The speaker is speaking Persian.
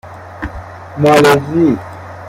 مالزی